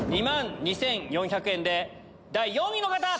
２万２４００円で第４位の方！